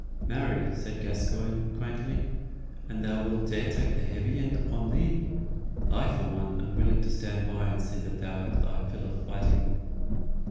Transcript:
"Marry," said Gascoyne, quaintly, "an thou wilt dare take the heavy end upon thee, I for one am willing to stand by and see that thou have thy fill of fighting."